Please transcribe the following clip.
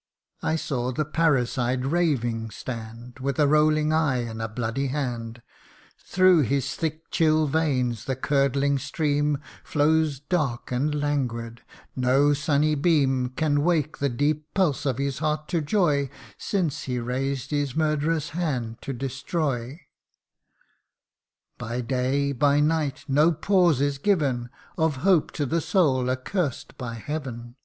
" I saw the parricide raving stand, With a rolling eye, and a bloody hand ; Through his thick chill veins the curdling stream Flows dark and languid. No sunny beam Can wake the deep pulse of his heart to joy, Since he raised his murderous hand to destroy. 82 THE UNDYING ONE. By day, by night, no pause is given Of hope to the soul accursed by Heaven.